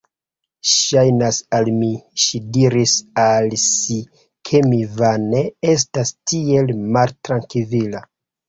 Ŝajnas al mi, ŝi diris al si, ke mi vane estas tiel maltrankvila.